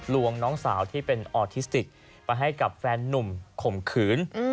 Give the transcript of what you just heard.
วงน้องสาวที่เป็นออทิสติกไปให้กับแฟนนุ่มข่มขืน